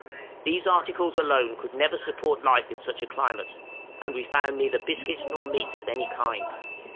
These articles alone could never support life in such a climate, and we found neither biscuit nor meat of any kind.